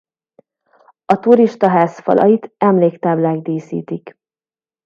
A turistaház falait emléktáblák díszítik.